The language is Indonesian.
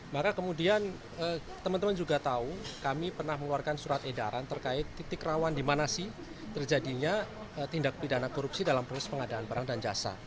maka kemudian teman teman juga tahu kami pernah mengeluarkan surat edaran terkait titik rawan di mana sih terjadinya tindak pidana korupsi dalam proses pengadaan barang dan jasa